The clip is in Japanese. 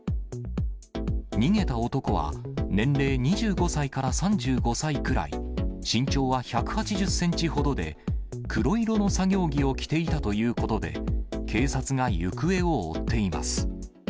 逃げた男は年齢２５歳から３５歳くらい、身長は１８０センチほどで黒色の作業着を着ていたということで、警察が行方を追っています。